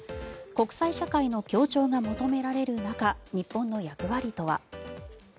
国際社会の協調が求められる中日本の役割とは。